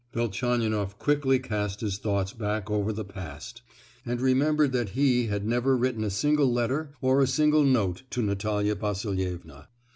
Velchaninoff quickly cast his thoughts back over the past, and remembered that he had never written a single letter or a single note to Natalia Vasilievna.